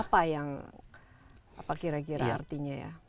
apa yang apa kira kira artinya ya